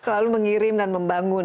selalu mengirim dan membangun